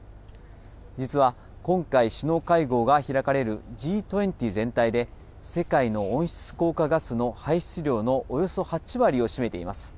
実は、今回首脳会合が開かれるＧ２０全体で、世界の温室効果ガスの排出量のおよそ８割を占めています。